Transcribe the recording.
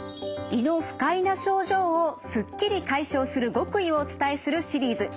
胃の不快な症状をすっきり解消する極意をお伝えするシリーズ。